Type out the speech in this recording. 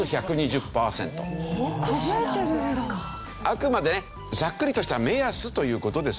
あくまでねざっくりとした目安という事ですよね。